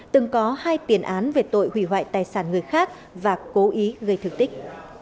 từng có hai tiền án về tội hủy hoại tài sản người khác và cố ý gây thương tích